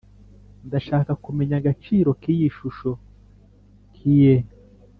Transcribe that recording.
ndashaka kumenya agaciro kiyi shusho.kie